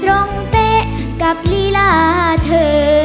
ตรงเต๊ะกับลีลาเธอ